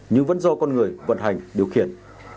nhưng vẫn do con người vận hành điều khiển